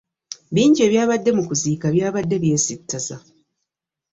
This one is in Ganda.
Bingi ebyabadde mu kuziika byabadde byesittaza.